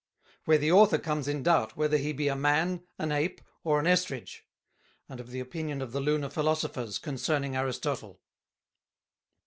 Where the Author comes in doubt, whether he be a Man, an Ape, or an Estridge; and of the Opinion of the Lunar Philosophers concerning Aristotle.